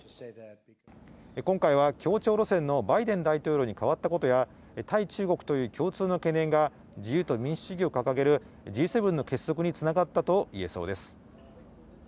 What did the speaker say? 今回は協調路線のバイデン大統領に変わったことや、対中国という共通の懸念が自由と民主主義を掲げるＧ７の結束に繋がったといえそうです。